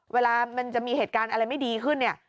เวลามันจะมีเหตุการณ์อะไรไม่ดีขึ้นเนี่ย